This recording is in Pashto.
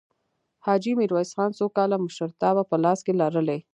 حاجي میرویس خان څو کاله مشرتابه په لاس کې لرلې؟